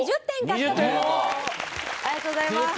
ありがとうございます。